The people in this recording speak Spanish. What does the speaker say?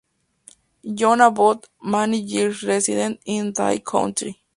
John Abbot, many years resident in that country".